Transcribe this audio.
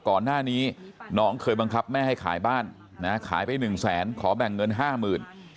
ก่อนหน้านี้น้องเคยบังคับแม่ให้ขายบ้านขายไป๑๐๐๐๐๐ขอแบ่งเงิน๕๐๐๐๐